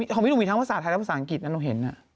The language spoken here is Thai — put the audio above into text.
ของพี่หนุ่มมีทั้งภาษาไทยและภาษาอังกฤษนะหนูเห็น